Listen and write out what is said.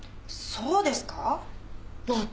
そうですかぁ？